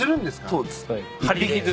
そうです。